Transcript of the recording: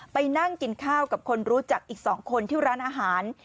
ไปนั่งกินข้าวกับคนรู้จักอีก๒คนที่ร้านอาหาร